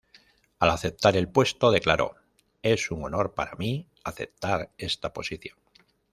Al aceptar el puesto, declaró: "Es un honor para mí aceptar esta posición.